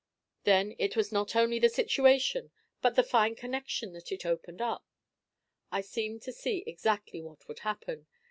Then it was not only the situation, but the fine connection that it opened up. I seemed to see exactly what would happen.